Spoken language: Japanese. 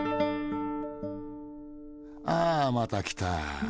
あまた来た！